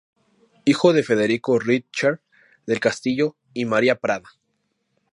Hijo de Federico Richter del Castillo y María Prada.